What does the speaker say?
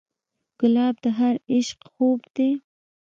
ګلاب د هر عاشق خوب دی.